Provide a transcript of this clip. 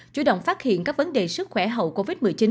chủ động phát hiện các vấn đề sức khỏe hậu covid một mươi chín